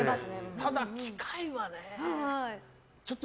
ただ、機械はね。